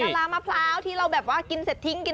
ลามะพร้าวที่เราแบบว่ากินเสร็จทิ้งกิน